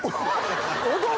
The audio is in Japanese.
踊る？